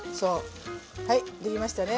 はい出来ましたね。